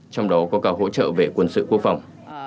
trong đó có cả hỗ trợ về quân sự quốc phòng